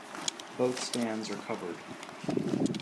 Both stands are covered.